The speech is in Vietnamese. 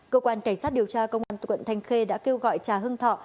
cơ quan cảnh sát điều tra công an quận thanh khê đã kêu gọi trà hưng thọ